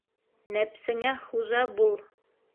Нәпсеңә хужа бул.